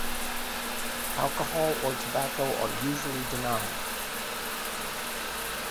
Alcohol or tobacco are usually denied.